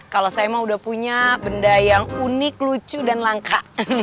kalau saya emang udah punya benda yang unik lucu dan langka